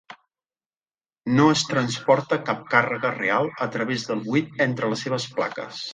No es transporta cap càrrega real a través del buit entre les seves plaques.